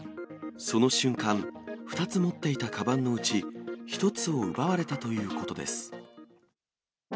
その瞬間、２つ持っていたかばんのうち１つを奪われたということです。